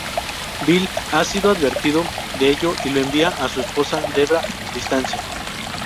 Bill ha sido advertido de ello y lo envía a su esposa Debra distancia.